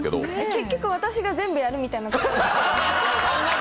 結局、私が全部やるみたいなこと？